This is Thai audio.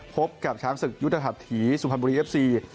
พบกับช้างศึกยุทธหัสถีสุพรรณบุรีเอฟซี